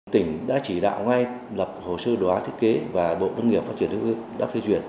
tỉnh đã chỉ đạo ngay lập hồ sơ đoán thiết kế và bộ đông nghiệp phát triển đức ước đã phê duyệt